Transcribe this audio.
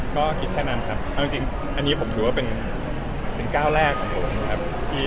ก็คิดแค่นั้นครับเอาจริงอันนี้ผมถือว่าเป็นก้าวแรกของผมครับ